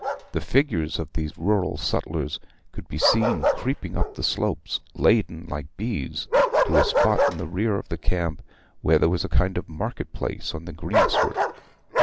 The figures of these rural sutlers could be seen creeping up the slopes, laden like bees, to a spot in the rear of the camp, where there was a kind of market place on the greensward.